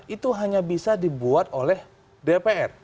itu hanya bisa dibuat oleh dpr